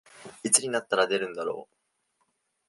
いつになったら出るんだろう